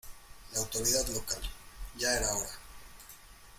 La autoridad local. Ya era hora .